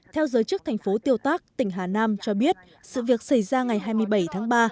theo giới chức thành phố tiêu tác tỉnh hà nam cho biết sự việc xảy ra ngày hai mươi bảy tháng ba